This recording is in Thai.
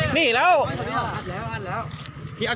หนีได้ไง